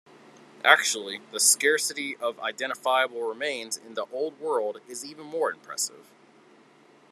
Actually the scarcity of identifiable remains in the Old World is even more impressive.